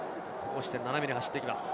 斜めに走っていきます。